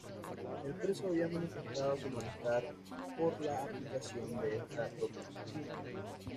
El preso había manifestado su malestar por la aplicación de esta doctrina.